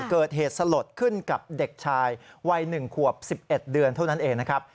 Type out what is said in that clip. เกิดเหตุสลดขึ้นกับเด็กชายวัย๑ขวบ๑๑เดือนเท่านั้นเองนะครับ